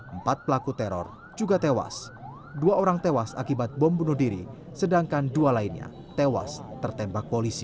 empat pelaku teror juga tewas dua orang tewas akibat bom bunuh diri sedangkan dua lainnya tewas tertembak polisi